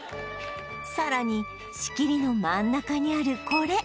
さらに仕切りの真ん中にあるこれ